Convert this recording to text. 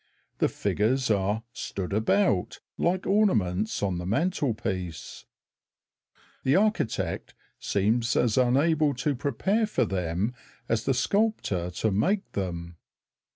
The figures are "stood about" like ornaments on the mantelpiece. The architect seems as unable to prepare for them as the sculptor to make them.